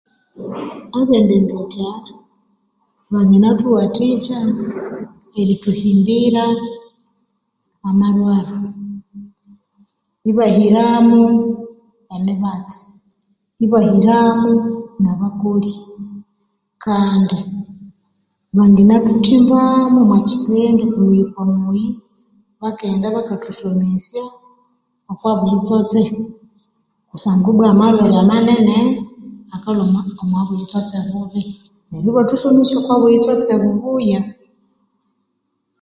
Abembembetya bangina thuwathikya erithuhimbira amarwaro ibahiramu emibatsi ibahiramo nabakooli kandi bangina thuthimbamo omwa kipindi muyi okwa muyi bakasomesya okwa buyitsotse kusanga ibwa amalhwere amanene akalhwa omwa buyitsotse bubi neryo ibathusomesya okwa butsotse bubuyaa